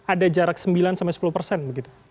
ada jarak sembilan sepuluh persen begitu